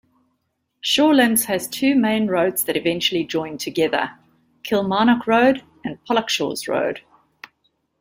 Shawlands has two main roads that eventually join together, Kilmarnock Road and Pollokshaws Road.